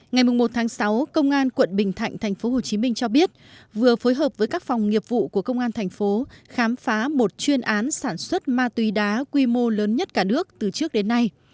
ngày một sáu công an quận bình thạnh tp hcm cho biết vừa phối hợp với các phòng nghiệp vụ của công an tp khám phá một chuyên án sản xuất ma túy đá quy mô lớn nhất cả nước từ trước đến nay